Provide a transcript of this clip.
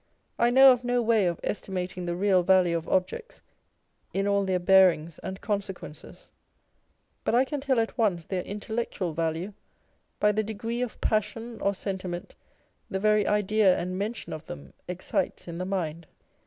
I know of no way of estimating the real value of objects in all their bearings and consequences, but I can tell at once their intellectual value by the degree of passion or sentiment the very idea and mention of them excites in the mind.